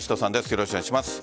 よろしくお願いします。